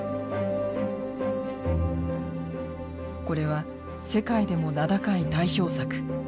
これは世界でも名高い代表作